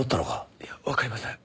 いやわかりません。